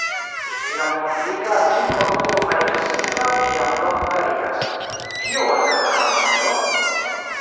Iom komplika, tiu formulo fariĝas simpla, kiam Blok klarigas: Kio estas la harmonio?